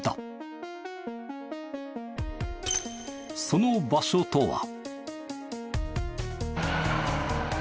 その場所とは。